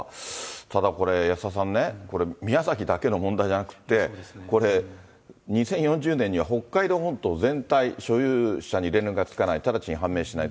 ただこれ、安田さんね、宮崎だけの問題じゃなくって、これ、２０４０年には北海道本島全体、所有者に連絡がつかない、直ちに判明しない。